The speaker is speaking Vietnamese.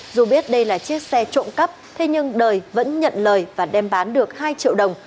dù biết đây là chiếc xe trộm cắp thế nhưng đời vẫn nhận lời và đem bán được hai triệu đồng